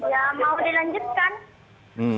ya mau dilanjutkan